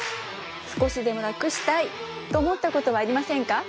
少しでもラクしたいと思ったことはありませんか？